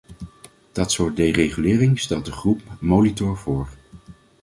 Dat soort deregulering stelt de groep-Molitor voor.